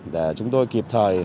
để chúng tôi kịp thời